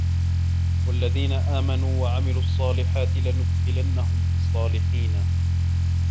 وَالَّذينَ آمَنوا وَعَمِلُوا الصّالِحاتِ لَنُدخِلَنَّهُم فِي الصّالِحينَ